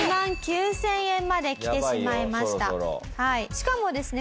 しかもですね